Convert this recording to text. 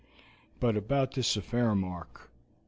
But about this affair, Mark.